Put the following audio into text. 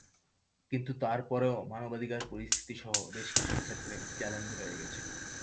কিন্তু তার পরও মানবাধিকার পরিস্থিতিসহ বেশ কিছু ক্ষেত্রে চ্যালেঞ্জ রয়ে গেছে।